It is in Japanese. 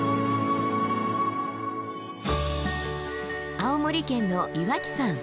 青森県の岩木山。